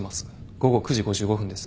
午後９時５５分です。